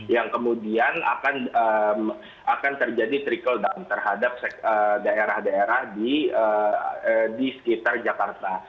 yang kemudian akan terjadi trickle down terhadap daerah daerah di sekitar jakarta